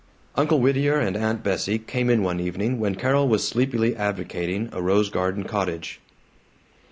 Uncle Whittier and Aunt Bessie came in one evening when Carol was sleepily advocating a rose garden cottage.